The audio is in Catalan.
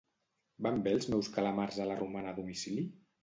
Van bé els meus calamars a la romana a domicili?